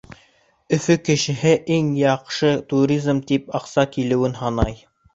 Өфө кешеһе иң яҡшы туризм тип аҡса килеүен һанай: